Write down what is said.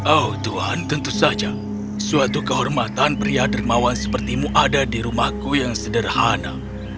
oh tuhan tentu saja suatu kehormatan pria dermawan sepertimu ada di rumahku yang sederhana